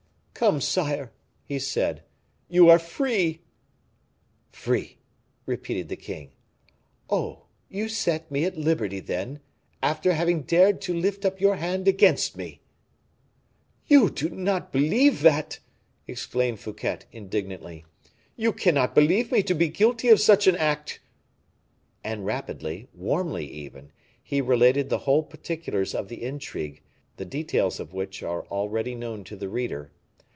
"Come, sire," he said, "you are free." "Free?" repeated the king. "Oh! you set me at liberty, then, after having dared to lift up your hand against me." "You do not believe that!" exclaimed Fouquet, indignantly; "you cannot believe me to be guilty of such an act." And rapidly, warmly even, he related the whole particulars of the intrigue, the details of which are already known to the reader.